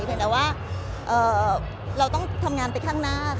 แต่ว่าเราต้องทำงานไปข้างหน้าค่ะ